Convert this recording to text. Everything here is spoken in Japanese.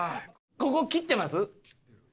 ここ切ってます？